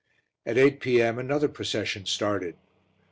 At 8 p.m. another procession started.